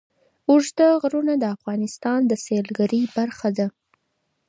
اوږده غرونه د افغانستان د سیلګرۍ برخه ده.